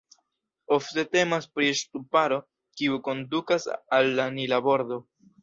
Ofte temas pri ŝtuparo, kiu kondukas al la Nila bordo.